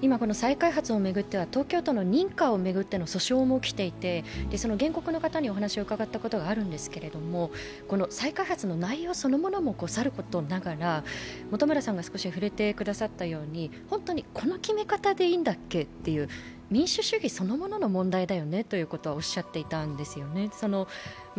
今、再開発を巡っては東京都の認可を巡っての訴訟も起きていて原告の方にお話を伺ったことがあるんですが再開発の内容もさることながら、本当にこの決め方でいいんだっけという民主主義そのものの問題だよねということはおっしゃっていたんですよね。